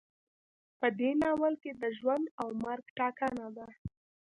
په دې ناول کې د ژوند او مرګ ټاکنه ده.